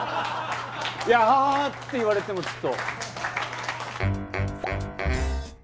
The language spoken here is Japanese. いやアハハハって言われてもちょっと。